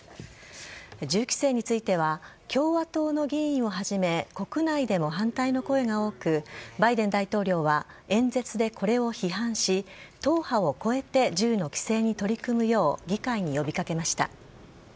銃規制については共和党の議員をはじめ国内でも反対の声が多くバイデン大統領は演説でこれを批判し党派を超えて銃の規制に取り組むよう議会に呼び掛けました。